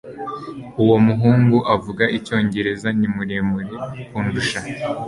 Uwo muhungu uvuga icyongereza ni muremure kundusha